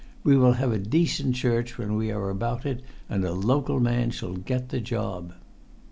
We will have a decent church when we are about it, and a local man shall get the job."